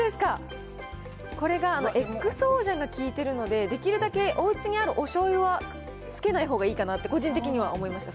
これがＸＯジャンが効いてるので、できるだけおうちにあるおしょうゆはつけないほうがいいかなって、個人的には思いました。